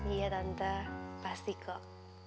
iya tante pasti kok